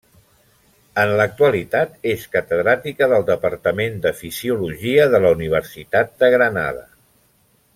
En l'actualitat és Catedràtica del Departament de Fisiologia de la Universitat de Granada.